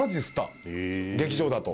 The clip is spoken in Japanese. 劇場だと。